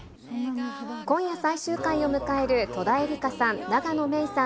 今夜最終回を迎える、戸田恵梨香さん、永野芽郁さん